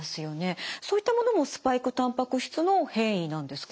そういったものもスパイクたんぱく質の変異なんですか？